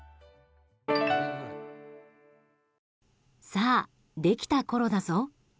さあ、できたころだぞ。